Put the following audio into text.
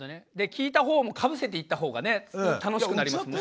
聞いたほうもかぶせていったほうがね楽しくなりますもんね。